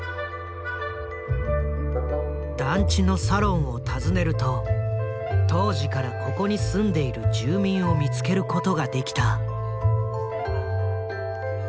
団地のサロンを訪ねると当時からここに住んでいる住民を見つけることができた。